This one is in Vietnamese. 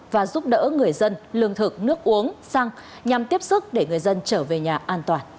và giúp đỡ người dân lương thực nước uống xăng nhằm tiếp xúc để người dân trở về nhà